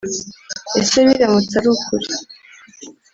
Ese biramutse ari ukuri